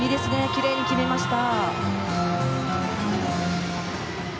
きれいに決まりました。